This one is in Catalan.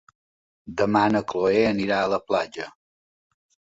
Demà na Chloé anirà a la platja.